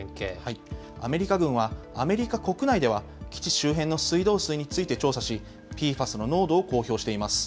アメリカ軍は、アメリカ国内では基地周辺の水道水について調査し、ＰＦＡＳの濃度を公表しています。